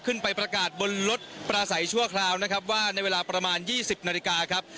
ขึ้นไปประกาศบนรถประสัยชั่วคราวนะครับว่าในเวลาประมาณ๒๐นาฬิกาครับ